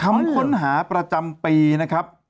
ค้นหาประจำปีนะครับ